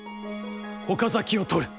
岡崎を取る。